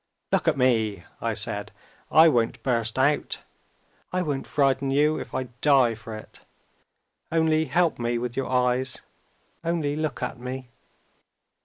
'Look at me!' I said; 'I won't burst out; I won't frighten you, if I die for it. Only help me with your eyes! only look at me!'